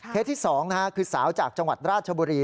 ที่๒คือสาวจากจังหวัดราชบุรี